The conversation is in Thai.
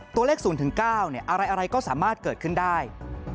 ตัวเลข๐๙อะไรก็สามารถเกิดขึ้นได้